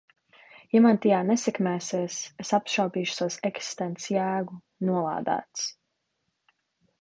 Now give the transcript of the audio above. Ja man tajā nesekmēsies, es apšaubīšu savas eksistences jēgu, nolādēts!